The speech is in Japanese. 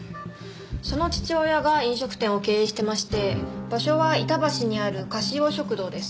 その父親が飲食店を経営してまして場所は板橋にあるかしを食堂です。